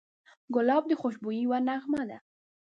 ګلاب د خوشبویۍ یوه نغمه ده.